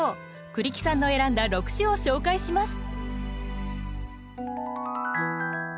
栗木さんの選んだ６首を紹介します。